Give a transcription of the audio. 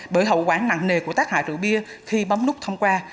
bởi hậu quả nặng nề của tác hại rượu bia khi bấm nút thông qua